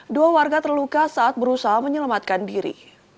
dua warga terluka saat berusaha menyelamatkan diri